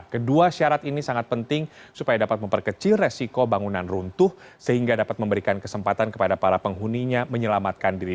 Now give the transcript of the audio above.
kedua syarat ini sangat penting supaya dapat memperkecil resiko bangunan runtuh sehingga dapat memberikan kesempatan kepada para penghuninya menyelamatkan diri